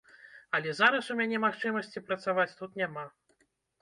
Але зараз у мяне магчымасці працаваць тут няма.